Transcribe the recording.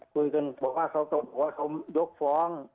พบครับเลยบ้างคะใช่คุยกันบอกว่าเขายกฟ้อง